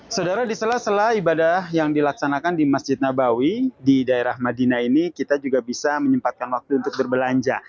saudara di sela sela ibadah yang dilaksanakan di masjid nabawi di daerah madinah ini kita juga bisa menyempatkan waktu untuk berbelanja